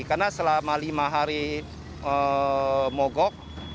karena selama lima hari mogok